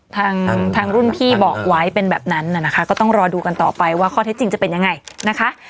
ทางทางรุ่นพี่บอกไว้เป็นแบบนั้นน่ะนะคะก็ต้องรอดูกันต่อไปว่าข้อเท็จจริงจะเป็นยังไงนะคะ